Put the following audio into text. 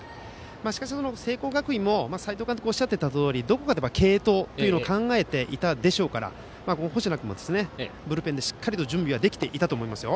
しかし聖光学院の斎藤監督がおっしゃっていたとおりどこかで継投を考えていたでしょうから星名君もブルペンでしっかり準備はできていたと思いますよ。